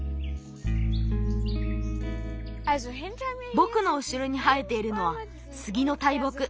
ぼくのうしろに生えているのはスギの大木。